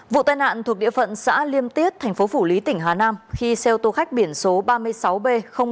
vụ tai nạn thuộc địa phận xã liêm tiết tp phủ lý tỉnh hà nam khi xeo tô khách biển số ba mươi sáu b một nghìn năm trăm linh tám